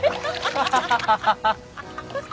ハハハハ！